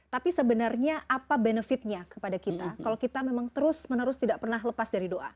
tapi sebenarnya apa benefitnya kepada kita kalau kita memang terus menerus tidak pernah lepas dari doa